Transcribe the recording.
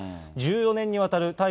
１４年にわたる対